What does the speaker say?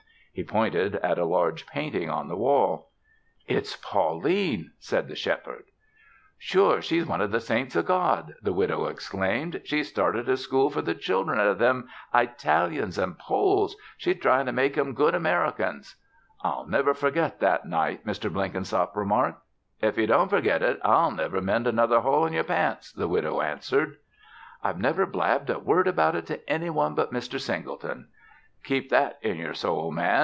He pointed at a large painting on the wall. "It's Pauline!" said the Shepherd. "Sure she's one o' the saints o' God!" the widow exclaimed. "She's started a school for the children o' them Eytalians an' Poles. She's tryin' to make 'em good Americans." "I'll never forget that night," Mr. Blenkinsop remarked. "If ye don't fergit it, I'll never mend another hole in yer pants," the widow answered. "I've never blabbed a word about it to any one but Mr. Singleton." "Keep that in yer soul, man.